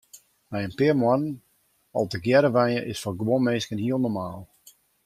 Nei in pear moannen al tegearre wenje is foar guon minsken hiel normaal.